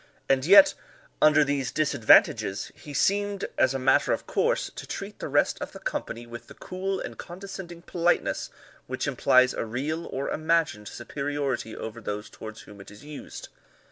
And yet, under these disadvantages, he seemed, as a matter of course, to treat the rest of the company with the cool and condescending politeness which implies a real, or imagined, superiority over those towards whom it is used.